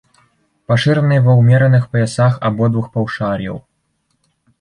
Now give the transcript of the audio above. Пашыраны ва ўмераных паясах абодвух паўшар'яў.